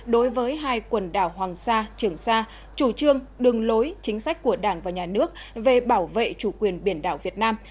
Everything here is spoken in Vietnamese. đối với hai quần đảo hoàng sa trường sa chủ trương đường lối chính sách của đảng và nhà nước về bảo vệ chủ quyền biển đảo việt nam